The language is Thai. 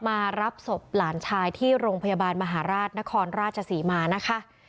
มารับศพหลานชายที่โรงพยาบาลมหาราชนครราชศรีมานะคะ